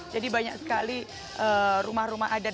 jadi banyak sekali rumah rumah adat